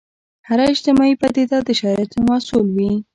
هره اجتماعي پدیده د شرایطو محصول وي.